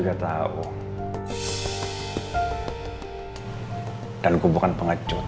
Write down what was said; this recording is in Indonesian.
tapi sekarang findengin pengamal